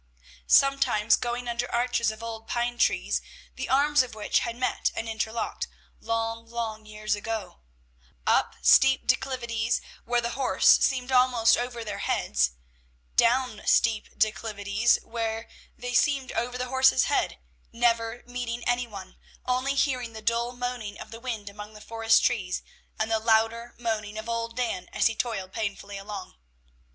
Sometimes going under arches of old pine trees, the arms of which had met and interlocked, long, long years ago; up steep declivities, where the horse seemed almost over their heads, down steep declivities, where they seemed over the horse's head, never meeting any one, only hearing the dull moaning of the wind among the forest trees, and the louder moaning of old Dan, as he toiled painfully along.